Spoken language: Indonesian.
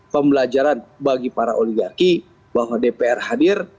pembelajaran bagi para oligarki bahwa dpr hadir